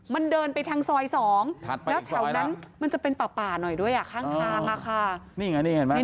มันเดินไปทางซอย๒แล้วแถวนั้นมันจะเป็นป่าหน่อยด้วยข้างล่างค่ะ